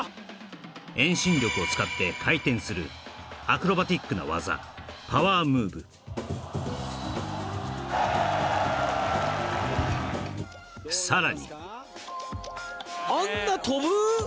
遠心力を使って回転するアクロバティックな技パワームーブさらにあんな跳ぶ？